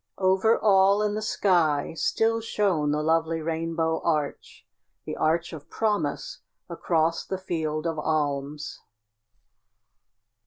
Over all in the sky still shone the lovely rainbow arch the arch of promise across the Field of Alms.